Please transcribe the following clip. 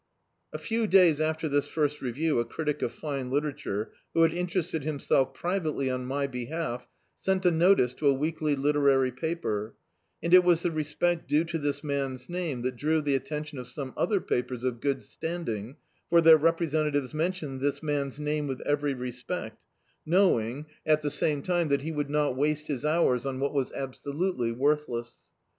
A few days after this first review, a critic of fine literature, who had interested himself privately on my behalf, sent a notice to a weekly literary paper; and it was the respect due to this man's name that drew die attention of some other papers of good standing, for their representatives menticmed this man's name with every respect, knowing, at Dictzed by Google The Autobi(^^phy of a Super Tramp the same time, that he would not waste his houi^ oa what was absolutely worthless.